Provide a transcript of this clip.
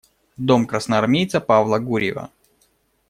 Дом красноармейца Павла Гурьева.